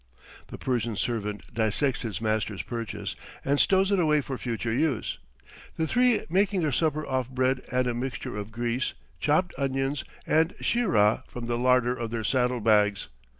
The Persian's servant dissects his master's purchase and stows it away for future use, the three making their supper off bread and a mixture of grease, chopped onions and sheerah from the larder of their saddle bags.